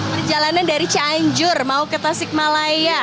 perjalanan dari cianjur mau ke tasik malaya